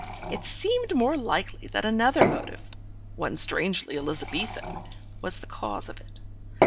It seemed more likely that another motive (one strangely Elizabethan) was the cause of it.